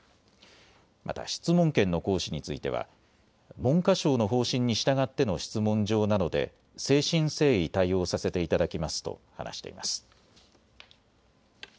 また質問権の行使については、文科省の方針に従っての質問状なので誠心誠意対応させていただきますと話しています。